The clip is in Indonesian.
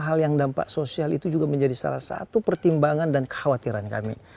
hal yang dampak sosial itu juga menjadi salah satu pertimbangan dan kekhawatiran kami